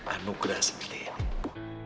anugerah seperti ini